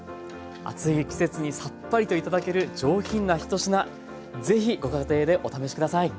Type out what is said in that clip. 暑い季節にサッパリと頂ける上品なひと品是非ご家庭でお試し下さい。